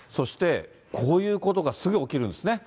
そして、こういうことがすぐ起きるんですね。